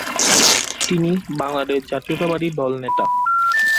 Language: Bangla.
তিনি বাংলাদেশ জাতীয়তাবাদী দল নেতা।